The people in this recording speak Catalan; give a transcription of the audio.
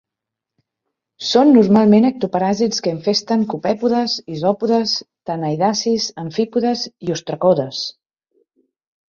Són normalment ectoparàsits que infesten copèpodes, isòpodes, tanaidacis, amfípodes i ostracodes.